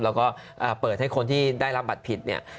แล้วก็เปิดให้คนที่ได้รับบัตรผิดเนี่ย